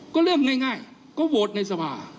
ก็เริ่มง่ายก็โหวตในสภา